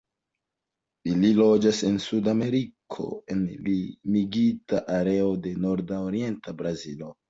Ili loĝas en Sudameriko en limigita areo de nordorienta Brazilo.